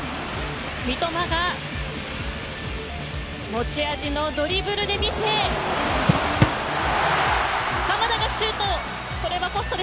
三笘が持ち味のドリブルで見せ鎌田がシュート！